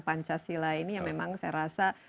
pancasila ini yang memang saya rasa